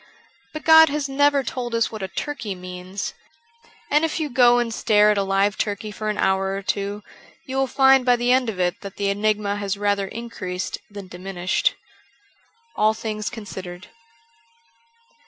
But God has never told us what a turkey means. And if you go and stare at a live turkey for an hour or two, you will find by the end of it that the enigma has rather increased than diminished. ^ ^111 Things Considered.'